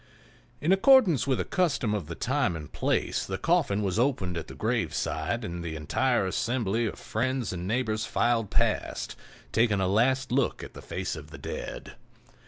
In accordance with a custom of the time and place, the coffin was opened at the graveside and the entire assembly of friends and neighbors filed past, taking a last look at the face of the dead.